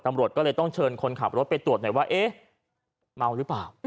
ตำรวจก็เลยต้องเชิญคนขับรถไปตรวจหน่อยว่าเอ๊ะเมาหรือเปล่า